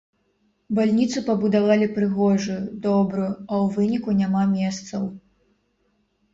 Бальніцу пабудавалі прыгожую, добрую, а ў выніку няма месцаў.